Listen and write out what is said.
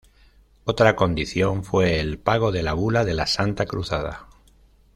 Otra condición fue el pago de la Bula de la Santa Cruzada.